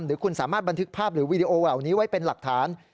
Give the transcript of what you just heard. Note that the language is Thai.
หรือคุณสามารถบันทึกภาพหรือวีดีโอเหล่านี้ไว้เป็นหลักฐาน